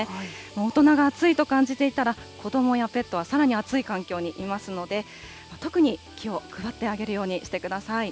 大人が暑いと感じていたら、子どもやペットはさらに暑い環境にいますので、特に気を配ってあげるようにしてください。